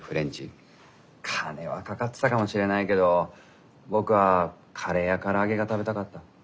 金はかかってたかもしれないけど僕はカレーやから揚げが食べたかった。